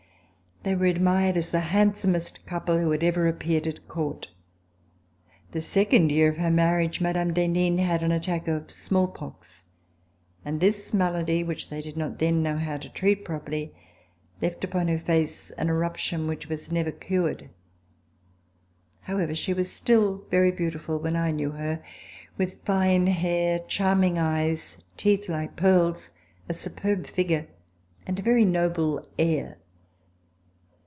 They were admired as the hand somest couple who had ever appeared at court. The second year of her marriage Mme. d'Henin had an attack of smallpox, and this malady, which they did not then know how to treat properly, left upon her face an eruption which was never cured. How ever, she was still very beautiful when I knew her, with fine hair, charming eyes, teeth like pearls, a superb figure and a very noble air.